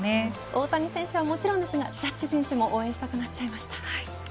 大谷選手ももちろんですがジャッジ選手も応援したくなりました。